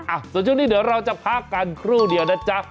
อ่ะส่วนช่วงนี้เดี๋ยวเราจะพักกันครู่เดียวนะจ๊ะ